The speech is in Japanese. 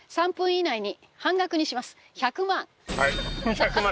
１００万。